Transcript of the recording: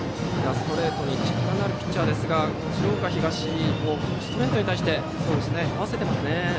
ストレートにキレのあるピッチャーですが鶴岡東、ストレートに合わせています。